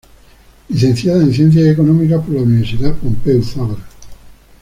Licenciada en Ciencias Económicas por la Universidad Pompeu Fabra.